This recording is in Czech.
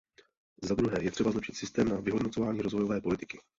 Zadruhé, je třeba zlepšit systém na vyhodnocování rozvojové politiky.